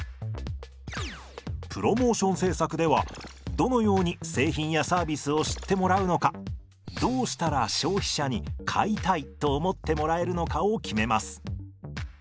プロモーション政策ではどのように製品やサービスを知ってもらうのかどうしたら消費者に買いたいと思ってもらえるのかを決めます。